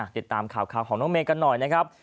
ติดตามข่าวของน้องเมย์กันหน่อยนะครับ